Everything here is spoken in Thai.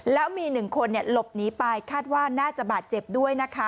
แล้วมี๑คนหลบหนีไปคาดว่าน่าจะบาดเจ็บด้วยนะคะ